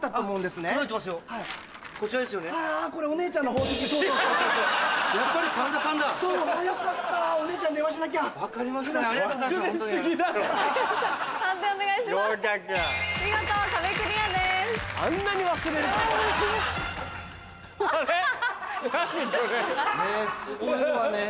ねぇすごいわねぇ。